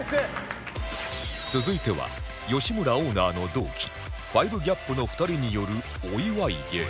続いては吉村オーナーの同期 ５ＧＡＰ の２人によるお祝い芸